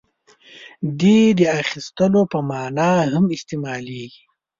• دې د اخیستلو په معنیٰ هم استعمالېږي.